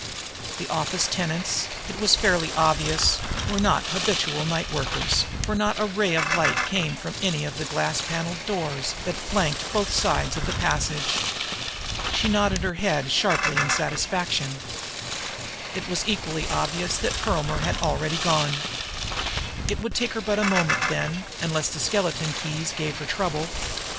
The office tenants, it was fairly obvious, were not habitual night workers, for not a ray of light came from any of the glass paneled doors that flanked both sides of the passage. She nodded her head sharply in satisfaction. It was equally obvious that Perlmer had already gone. It would take her but a moment, then, unless the skeleton keys gave her trouble.